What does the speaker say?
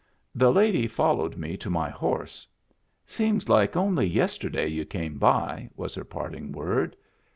The lady followed me to my horse. "Seems like only yesterday you came by," was her parting word.